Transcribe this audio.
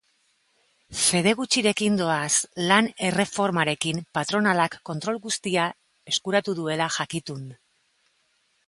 Fede gutxirekin doaz lan-erreformarekin patronalak kontrol guztia eskuratu duela jakitun.